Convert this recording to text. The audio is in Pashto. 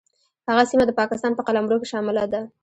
هغه سیمه د پاکستان په قلمرو کې شامله ده.